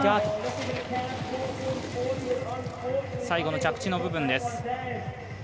最後の着地の部分です。